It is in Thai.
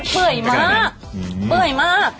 เผื่อยมาก